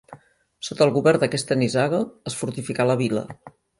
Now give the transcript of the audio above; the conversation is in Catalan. Sota el govern d'aquesta nissaga es fortificà la vila.